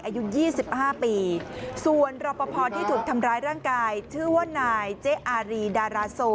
อายุ๒๕ปีส่วนรอปภที่ถูกทำร้ายร่างกายชื่อว่านายเจ๊อารีดาราโซ